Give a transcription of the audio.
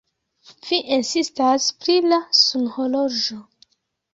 Vi insistas pri la sunhorloĝo.